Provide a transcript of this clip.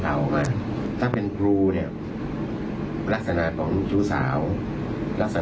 และก็ไม่ได้ยัดเยียดให้ทางครูส้มเซ็นสัญญา